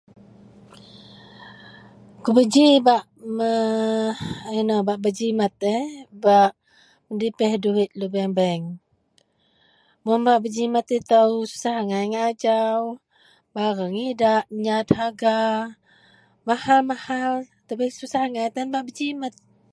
kubaji bak mea inou bak berjimat bak medepih duwit lubeang bank, mun bak jimat itou susah agai ngak ajau barang idak, nyat harga mahal mahal tapi susah agai tan berjimet